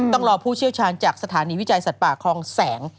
ต้องรอผู้เชี่ยวชาญจากสถานีวิจัยสัตว์ป่าคลองแสง